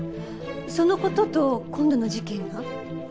その事と今度の事件が？